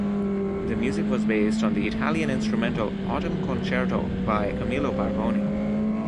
The music was based on the Italian instrumental, "Autumn Concerto," by Camillo Bargoni.